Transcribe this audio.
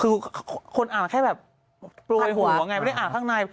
คือคนอ่านแค่แบบโปรยหัวไงไม่ได้อ่านข้างใน